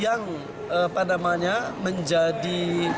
yang pandamanya menjadi